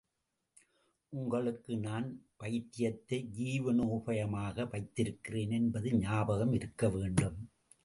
உங்களுக்கு, நான் வைத்தியத்தை ஜீவனோபாயமாக வைத்திருக்கிறேன் என்பது ஞாபகம் இருக்க வேண்டும்.